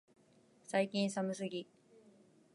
最近寒すぎ、